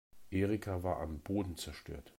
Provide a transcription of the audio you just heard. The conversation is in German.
Erika war am Boden zerstört.